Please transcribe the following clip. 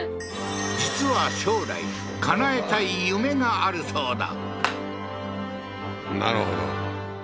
実は将来叶えたい夢があるそうだ